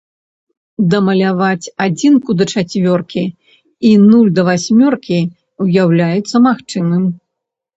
Дамаляваць адзінку да чацвёркі і нуль да васьмёркі ўяўляецца магчымым.